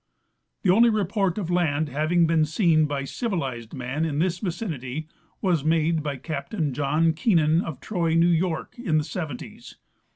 The only report of land having been seen by civilized man in this vicinity was made by Captain John Keenan, of Troy, New York, in the seventies.